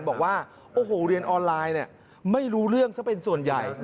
บอกว่าโอ้โหเรียนออนไลน์เนี่ยไม่รู้เรื่องซะเป็นส่วนใหญ่